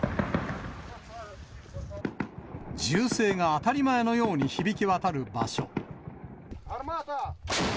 銃声が当たり前のように響き渡る場所。